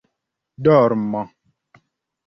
dormo